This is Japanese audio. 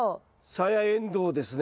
サヤエンドウですね。